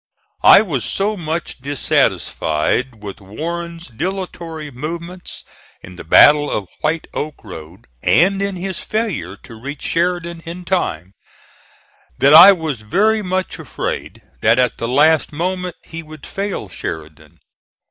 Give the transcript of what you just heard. I was so much dissatisfied with Warren's dilatory movements in the battle of White Oak Road and in his failure to reach Sheridan in time, that I was very much afraid that at the last moment he would fail Sheridan.